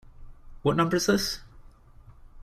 What number is this?